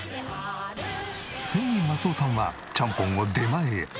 仙人益男さんはちゃんぽんを出前へ。